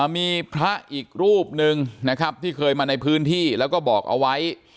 มีพระอีกรูปหนึ่งนะครับที่เคยมาในพื้นที่แล้วก็บอกเอาไว้